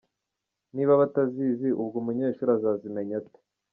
Niba batazizi, ubwo umunyeshuri azazimenya ate?”.